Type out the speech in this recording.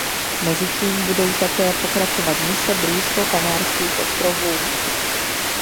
Mezitím budou také pokračovat mise blízko Kanárských ostrovů.